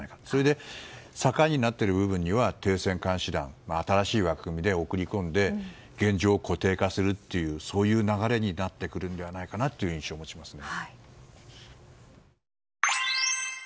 それで境になっている部分には停戦監視団新しい枠組みで送り込んで現状を固定化するというそういう流れになってくるのではないかなという印象を持ちますね。